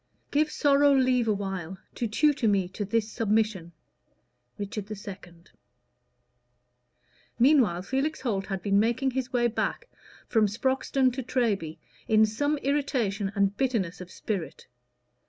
"Give sorrow leave awhile, to tutor me To this submission." Richard II. Meanwhile Felix Holt had been making his way back from Sproxton to Treby in some irritation and bitterness of spirit.